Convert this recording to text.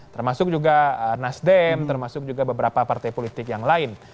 termasuk juga nasdem termasuk juga beberapa partai politik yang lain